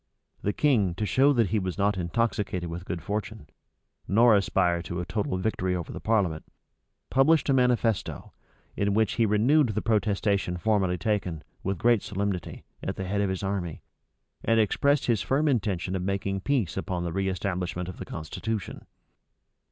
The king, to show that he was not intoxicated with good fortune, nor aspired to a total victory over the parliament, published a manifesto, in which he renewed the protestation formerly taken, with great solemnity, at the head of his army, and expressed his firm intention of making peace upon the reestablishment of the constitution.